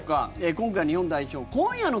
今回の日本代表、今夜の